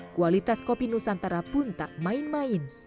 kualitas kopi nusantara pun tak main main